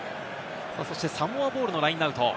そしてサモアボールのラインアウト。